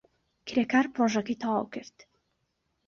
کرێکار پرۆژەکەی تەواو کرد.